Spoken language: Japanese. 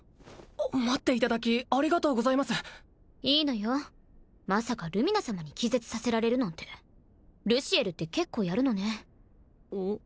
待っていただきありがとうございますいいのよまさかルミナ様に気絶させられるなんてルシエルって結構やるのねうん？